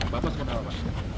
bapak suka apa